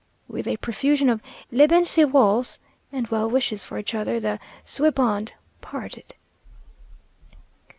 With a profusion of "Leben Sie wohls" and well wishes for each other, the "Zweibund" parted.